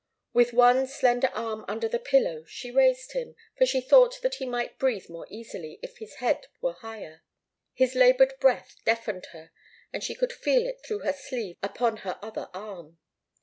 With one slender arm under the pillow she raised him, for she thought that he might breathe more easily if his head were higher. His laboured breath deafened her, and she could feel it through her sleeve upon her other arm.